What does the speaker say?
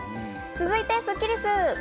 続いてスッキりす。